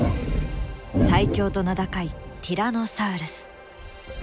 最強と名高いティラノサウルス。